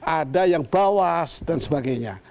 ada yang bawas dan sebagainya